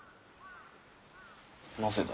なぜだ？